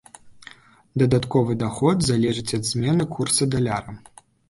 Дадатковы даход залежыць ад змены курса даляра.